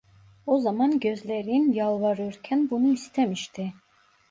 O zaman gözlerin yalvarırken bunu istemişti.